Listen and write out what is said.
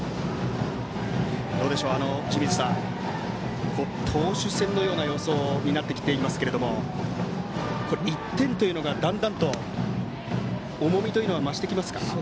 清水さん、投手戦のような様相になってきていますけど１点というのがだんだんと重みというのが増してきますか？